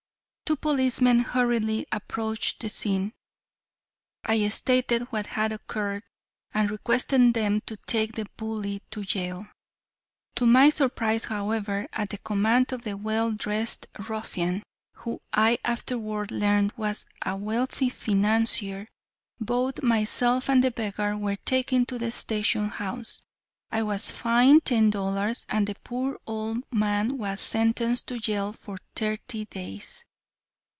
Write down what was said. Two policemen hurriedly approached the scene. I stated what had occurred and requested them to take the bully to jail. To my surprise, however, at the command of the well dressed ruffian, who I afterward learned was a wealthy financier, both myself and the beggar were taken to the station house. I was fined ten dollars, and the poor old man was sentenced to jail for thirty days.